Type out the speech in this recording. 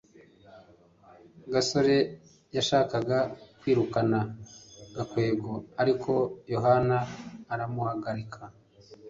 gasore yashakaga kwirukana gakwego, ariko yohana aramuhagarika